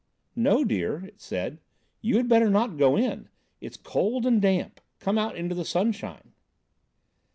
"No, dear," it said, "you had better not go in. It's cold and damp. Come out into the sunshine."